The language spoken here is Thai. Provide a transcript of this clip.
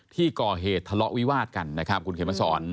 ที่ก่อเหตุทะเลาะวิวาดกันนะครับคุณเขมสอน